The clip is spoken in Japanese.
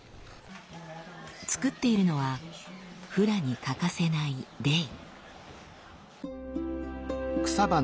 作っているのはフラに欠かせない「レイ」。